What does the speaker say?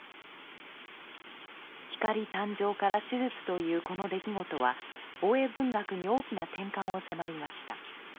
光誕生から手術というこの出来事は大江文学に大きな転換を迫りました。